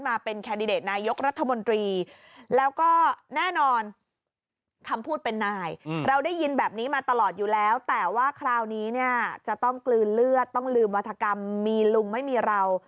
ว่าคราวนี้เนี่ยจะต้องกลืนเลือดต้องลืมวัฒกรรมมีลุงไม่มีเรา